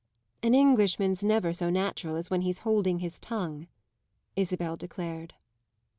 "An Englishman's never so natural as when he's holding his tongue," Isabel declared.